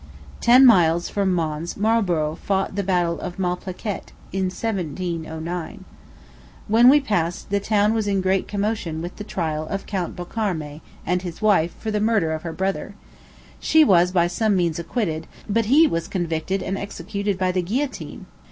Ten miles from Mons Marlborough fought the battle of Malplaquet, in 1709. When we passed, the town was in great commotion with the trial of Count Bocarmé and his wife for the murder of her brother. She was by some means acquitted, but he was convicted and executed by the guillotine.